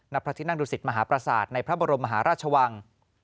นับพระธิกนักดุศิษย์มหาประสาทในพระบรมมหาราชวัง